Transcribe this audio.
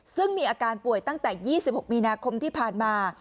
ซึ่งมีอาการป่วยตั้งแต่๒๖มีนาคมที่ผ่านมา